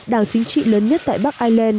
đảng chính trị lớn nhất tại bắc ireland